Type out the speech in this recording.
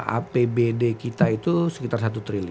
apbd kita itu sekitar satu triliun